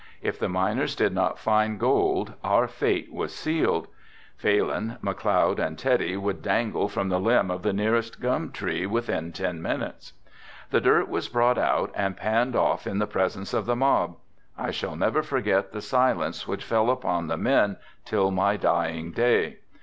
If the miners did not find gold our fate was sealed. Phalin, McLeod and Teddy would dangle from the limb of the nearest gum tree within ten minutes. The dirt was brought out and panned off in the presence of the mob. I shall never forget the silence which fell upon the men till my dying day.